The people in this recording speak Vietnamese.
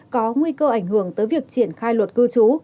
có nguy cơ ảnh hưởng tới việc triển khai luật cư trú